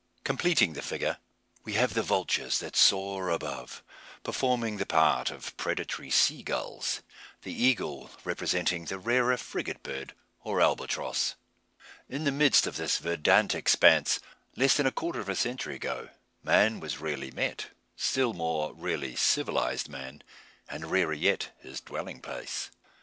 Completing the figure, we have the vultures that soar above, performing the part of predatory sea gulls; the eagle representing the rarer frigate bird, or albatross. In the midst of this verdant expanse, less than a quarter of a century ago, man was rarely met; still more rarely civilised man; and rarer yet his dwelling place.